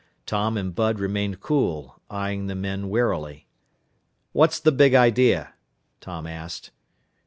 Tom and Bud remained cool, eying the men warily. "What's the big idea?" Tom asked.